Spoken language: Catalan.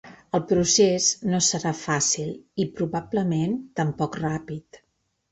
El procés no serà fàcil i, probablement, tampoc ràpid.